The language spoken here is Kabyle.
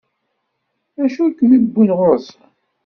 D acu i kem-iwwin ɣur-sen?